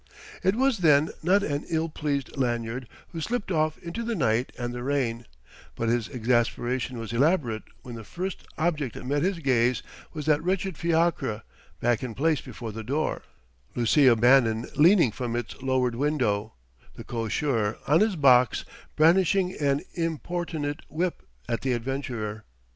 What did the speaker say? It was, then, not an ill pleased Lanyard who slipped oft into the night and the rain; but his exasperation was elaborate when the first object that met his gaze was that wretched fiacre, back in place before the door, Lucia Bannon leaning from its lowered window, the cocher on his box brandishing an importunate whip at the adventurer.